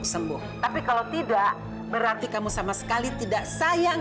ya yaudah kamu angkat saja